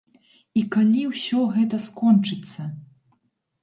І калі ўсё гэта скончыцца?